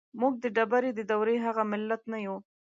موږ د ډبرې د دورې هغه ملت نه يو.